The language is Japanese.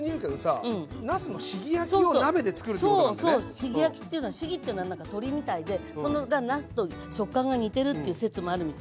しぎ焼きっていうのはしぎっていうのは何か鳥みたいでそのなすと食感が似てるっていう説もあるみたいよ。